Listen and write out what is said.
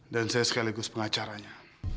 dan saya sekaligus pengacaranya